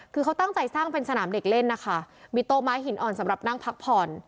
คือเขาตั้งใจสร้างเป็นสนามเด็กเล่นนะคะมีโต๊ะไม้หินอ่อนสำหรับนั่งพักผ่อน